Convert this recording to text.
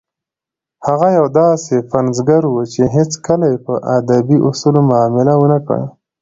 هغه یو داسې پنځګر و چې هیڅکله یې په ادبي اصولو معامله ونه کړه.